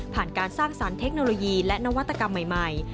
การสร้างสรรคโนโลยีและนวัตกรรมใหม่